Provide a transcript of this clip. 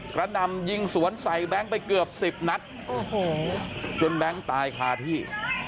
หนำยิงสวนใส่แบงค์ไปเกือบสิบนัดโอ้โหจนแบงค์ตายคาที่